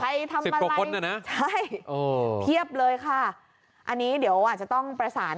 ใครทำอะไรคนน่ะนะใช่เพียบเลยค่ะอันนี้เดี๋ยวอาจจะต้องประสาน